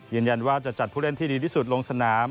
ยืนยันว่าจะจัดผู้เล่นที่ดีที่สุดลงสนาม